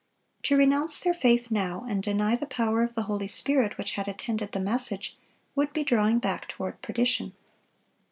To renounce their faith now, and deny the power of the Holy Spirit which had attended the message, would be drawing back toward perdition.